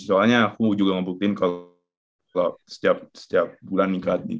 soalnya aku juga ngebuktin kalau setiap bulan ini kan